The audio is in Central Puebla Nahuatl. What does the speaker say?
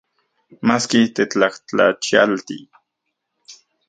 Maski tetlajtlachialti.